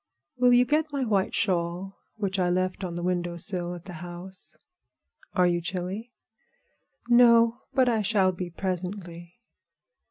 Will you get my white shawl which I left on the window sill over at the house?" "Are you chilly?" "No; but I shall be presently."